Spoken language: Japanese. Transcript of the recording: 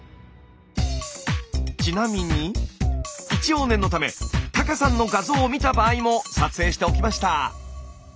ちなみに一応念のためタカさんの画像を見た場合も撮影しておきました。